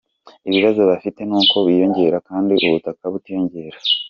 Ikibazo bafite ni uko biyongera kandi ubutaka butiyongera.